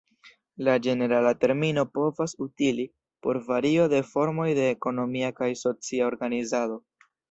La ĝenerala termino povas utili por vario de formoj de ekonomia kaj socia organizado.